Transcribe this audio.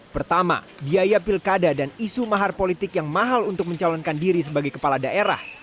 pertama biaya pilkada dan isu mahar politik yang mahal untuk mencalonkan kepentingan